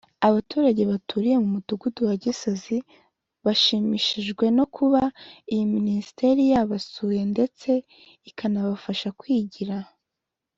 Abaturage baturiye mu mudugudu wa Gisozi bashimishijwe no kuba iyi Minisiteri yabasuye ndetse ikanabafasha kwigira